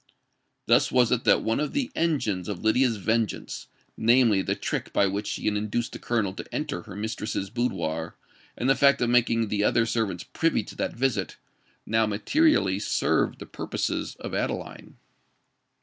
Thus was it that one of the engines of Lydia's vengeance,—namely, the trick by which she had induced the Colonel to enter her mistress's boudoir, and the fact of making the other servants privy to that visit,—now materially served the purposes of Adeline.